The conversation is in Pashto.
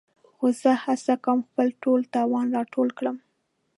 خو زه هڅه کوم خپل ټول توان راټول کړم.